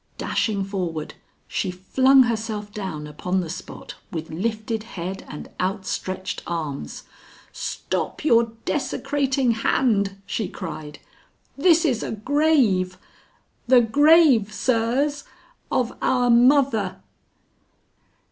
Dashing forward, she flung herself down upon the spot with lifted head and outstretched arms. "Stop your desecrating hand!" she cried. "This is a grave the grave, sirs, of our mother!"